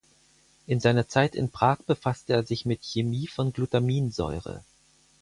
In seiner Zeit in Prag befasste er sich mit Chemie von Glutaminsäure.